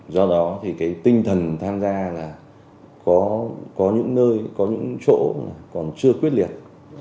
do đó thì cái tinh thần tham gia là có những nơi có những chỗ còn chưa quyết liệt